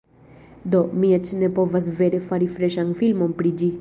Do, mi eĉ ne povas vere fari freŝan filmon pri ĝi